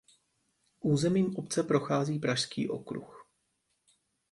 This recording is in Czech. Územím obce prochází Pražský okruh.